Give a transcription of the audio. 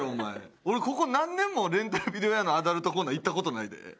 俺ここ何年もレンタルビデオ屋のアダルトコーナー行った事ないで。